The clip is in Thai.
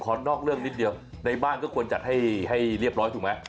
นอกเรื่องนิดเดียวในบ้านก็ควรจัดให้เรียบร้อยถูกไหม